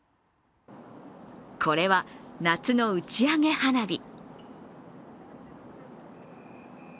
これは夏の打ち上げ花火。